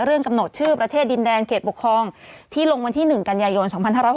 กำหนดชื่อประเทศดินแดนเขตปกครองที่ลงวันที่๑กันยายน๒๕๖๐